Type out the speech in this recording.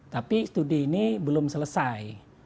tapi studi ini belum selesai